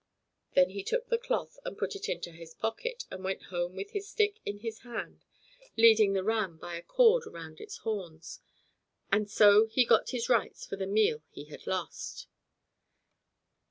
Then he took the cloth and put it into his pocket, and went home with his stick in his hand, leading the ram by a cord round its horns; and so he got his rights for the meal he had lost.